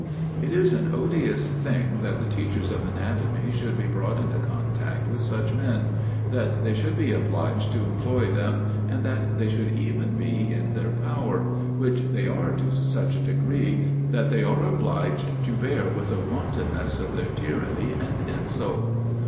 It is an odious thing that the teachers of anatomy should be brought into contact with such men: that they should be obliged to employ them, and that they should even be in their power; which they are to such a degree, that they are obliged to bear with the wantonness of their tyranny and insult.